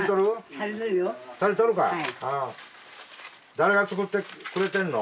誰が作ってくれてんの？